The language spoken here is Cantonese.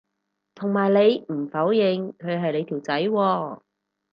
同埋你唔否認佢係你條仔喎